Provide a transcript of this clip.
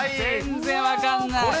全然分かんない。